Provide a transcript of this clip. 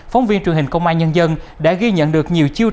phóng viên truyền hình công an nhân dân đã ghi nhận được nhiều chiêu trò